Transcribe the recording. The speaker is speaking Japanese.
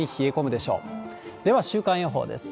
では、週間予報です。